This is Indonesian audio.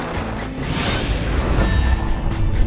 tidak ada disini